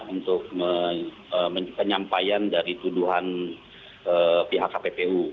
untuk menyampaikan dari tuduhan pihak kppu